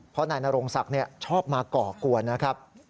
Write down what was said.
เพราะนายนโรงศักดิ์ชอบมาก่อกวนนะครับ